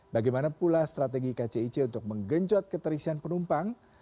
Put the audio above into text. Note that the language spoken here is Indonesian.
bagaimana pula strategi kcic untuk menggenjot keterisian penumpang